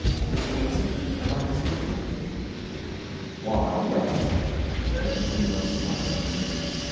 "Mr. Macy, I'd like to speak to you." "Why yes." The unhumorous smile appeared.